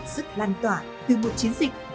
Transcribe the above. sức lan tỏa từ một chiến dịch